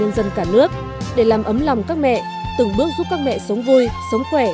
hãy đăng ký kênh để ủng hộ kênh của mình nhé